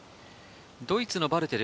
ドイツのバルテル。